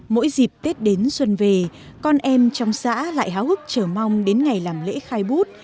mỗi dịp tết đến xuân về con em trong xã lại háo hức chờ mong đến ngày làm lễ khai bút